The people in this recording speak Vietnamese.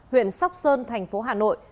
huyện sóc sơn thành phố hà nội